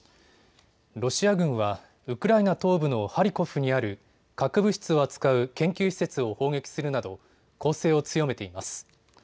ロシア軍はウクライナ東部のハリコフにある核物質を扱う研究施設を砲撃するなど攻勢を強めています。